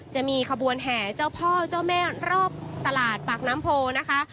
จะมีขบวนแห่เจ้าพ่อเจ้าแม่รอบตลาดปากน้ำโพนะคะ